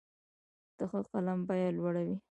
د ښه قلم بیه لوړه وي.